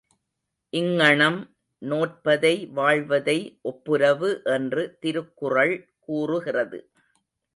இங்ஙணம் நோற்பதை வாழ்வதை ஒப்புரவு என்று திருக்குறள் கூறுகிறது.